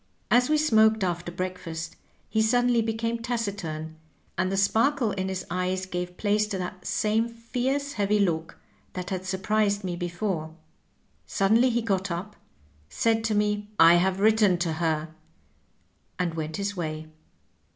As we smoked after breakfast he suddenly became taciturn, and the sparkle in his eyes gave place to the same fierce, heavy look that had surprised me before. Suddenly he got up, said to me, ^I have written to her,' and went his way.